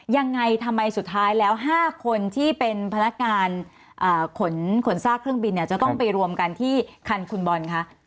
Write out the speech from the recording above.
ยังไงทำไมสุดท้ายแล้ว๕คนที่เป็นพนักงานขนซากเครื่องบินเนี่ยจะต้องไปรวมกันที่คันคุณบอลคะ